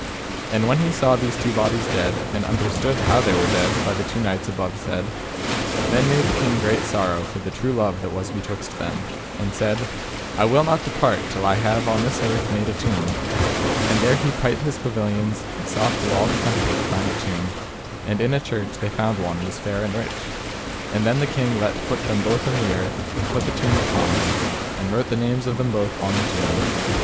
And when he saw these two bodies dead, and understood how they were dead, by the two knights above said, then made the king great sorrow for the true love that was betwixt them, and said, I will not depart till I have on this earth made a tomb, and there he pight his pavilions and sought through all the country to find a tomb, and in a church they found one was fair and rich, and then the king let put them both in the earth, and put the tomb upon them, and wrote the names of them both on the tomb.